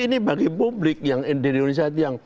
ini bagi publik yang interiorisasi